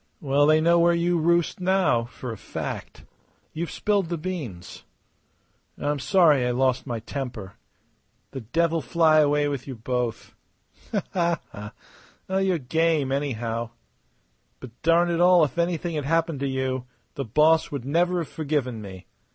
"Well, they know where you roost now, for a fact. You've spilled the beans. I'm sorry I lost my temper. The devil fly away with you both!" The boy laughed. "You're game, anyhow. But darn it all, if anything had happened to you the boss would never have forgiven me.